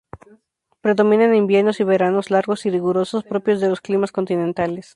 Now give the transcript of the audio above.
Predominan inviernos y veranos largos y rigurosos, propios de los climas continentales.